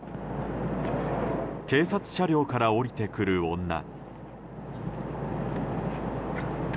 警察車両から降りてくる女。